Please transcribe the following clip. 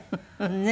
ねえ。